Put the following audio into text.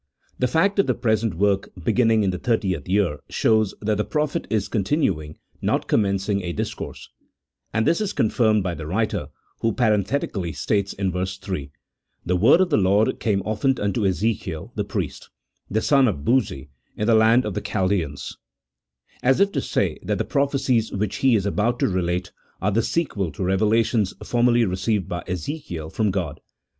The fact of the present work be ginning in the thirtieth year shows that the prophet is con tinuing, not commencing a discourse ; and this is confirmed by the writer, who parenthetically states in verse 3, " The word of the Lord came often unto Ezekiel the priest, the son of Buzi, in the land of the Chaldeans," as if to say that the prophecies which he is about to relate are the sequel to revelations formerly received by Ezekiel from God.